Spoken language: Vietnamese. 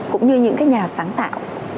cũng như những cái nhà sáng tạo